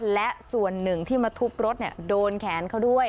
และส่วนหนึ่งที่มาทุบรถโดนแขนเขาด้วย